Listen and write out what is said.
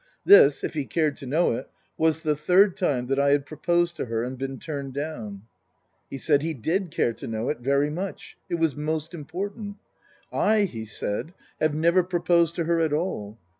This if he cared to know it was the third time that I had proposed to her and been turned down. He said he did care to know it, very much. It was most important. " I," he said, " have never proposed to her at all.